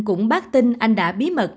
cũng bác tin anh đã bí mật